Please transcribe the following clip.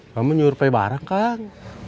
kamu nyurupai barang kang